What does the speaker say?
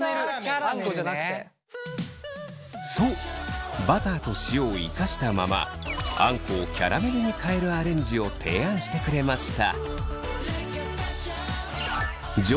そうバターと塩を生かしたままあんこをキャラメルに変えるアレンジを提案してくれました。